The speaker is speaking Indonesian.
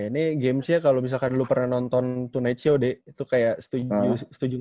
ini game sih ya kalo misalkan lu pernah nonton tonight show d itu kayak setuju gak setuju sih